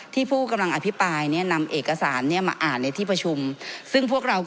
ท่านชนกครับ